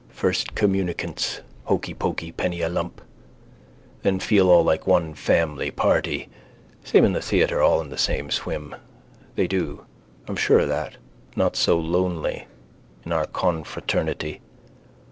First communicants. Hokypoky penny a lump. Then feel all like one family party, same in the theatre, all in the same swim. They do. I'm sure of that. Not so lonely. In our confraternity.